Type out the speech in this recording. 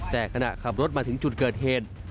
แต่ขณะขับรถมาถึงจุดเกิดเหตุ